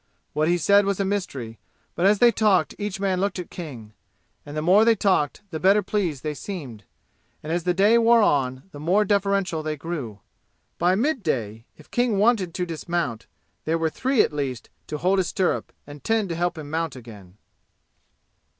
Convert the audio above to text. What he said was a mystery, but as they talked each man looked at King. And the more they talked the better pleased they seemed. And as the day wore on the more deferential they grew. By midday if King wanted to dismount there were three at least to hold his stirrup and ten to help him mount again.